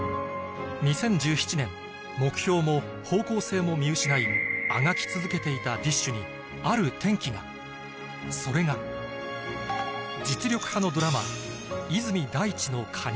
２０１７年目標も方向性も見失いあがき続けていたＤＩＳＨ／／にある転機がそれが実力派のドラマー泉大智の加入